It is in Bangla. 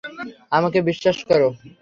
আমাকে বিশ্বাস করো?